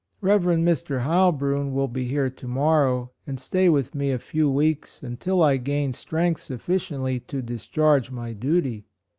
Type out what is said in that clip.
Rev. Mr. Heilbrun will be here to morrow and stay with me a few weeks, until I gain strength sufficiently to discharge my duty.